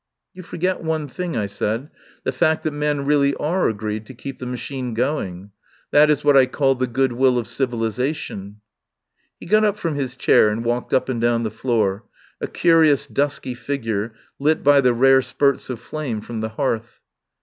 "You forget one thing," I said — "the fact that men really are agreed to keep the ma chine going. That is what I called the 'good will of civilisation.' " He got up from his chair and walked up and down the floor, a curious dusky figure lit by the rare spurts of flame from the hearth.